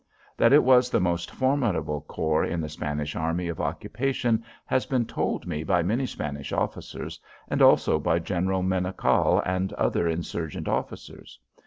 That it was the most formidable corps in the Spanish army of occupation has been told me by many Spanish officers and also by General Menocal and other insurgent officers.